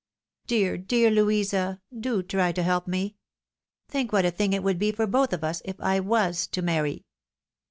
Dear, dear Louisa ! do try to help me ! Think what a thing it would be for both of us, if I was to marry